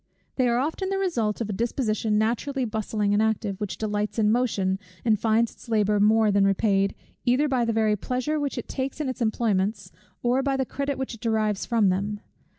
They are often the result of a disposition naturally bustling and active, which delights in motion, and finds its labour more than repaid, either by the very pleasure which it takes in its employments, or by the credit which it derives from them.